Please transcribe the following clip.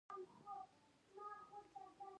افغانستان تر هغو نه ابادیږي، ترڅو کانکور شفاف نشي.